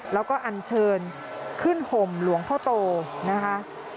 แล้วก็อันเชิญขึ้นห่มหลวงพ่อโตนะคะ